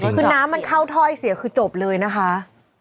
คือน้ำมันเข้าถ้อยเสียคือจบเลยนะคะ